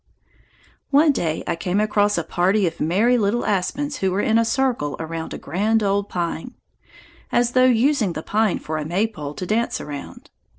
One day I came across a party of merry little aspens who were in a circle around a grand old pine, as though using the pine for a maypole to dance around.